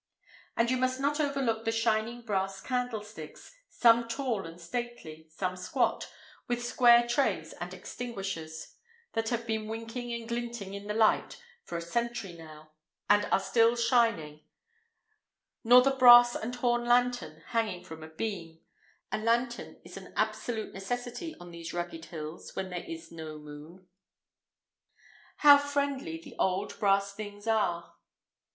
And you must not overlook the shining brass candlesticks, some tall and stately, some squat, with square trays and extinguishers, that have been winking and glinting in the light for a century now—and are still shining; nor the brass and horn lantern hanging from a beam. A lantern is an absolute necessity on these rugged hills when there is no moon. How friendly the old brass things are!